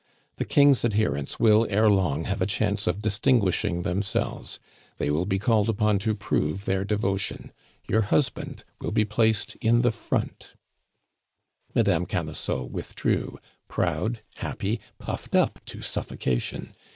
The King's adherents will ere long have a chance of distinguishing themselves; they will be called upon to prove their devotion; your husband will be placed in the front " Madame Camusot withdrew, proud, happy, puffed up to suffocation.